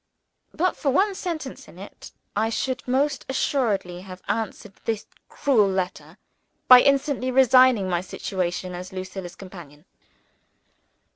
But for one sentence in it, I should most assuredly have answered this cruel letter by instantly resigning my situation as Lucilla's companion.